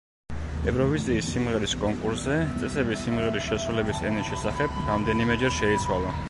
ევროვიზიის სიმღერის კონკურსზე წესები სიმღერის შესრულების ენის შესახებ რამდენიმეჯერ შეიცვალა.